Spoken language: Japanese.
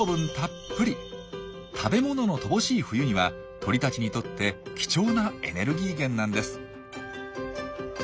食べ物の乏しい冬には鳥たちにとって貴重なエネルギー源なんです。